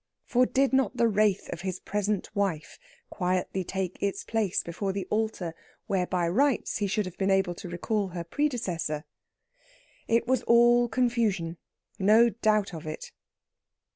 For did not the wraith of his present wife quietly take its place before the altar where by rights he should have been able to recall her predecessor? It was all confusion; no doubt of it.